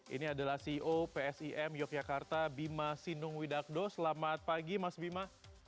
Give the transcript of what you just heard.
ini adalah ceo psim yogyakarta bima sinung widakdo selamat pagi mas bima